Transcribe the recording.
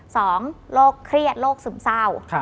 สองโรคเครียดโรคซึมเศร้า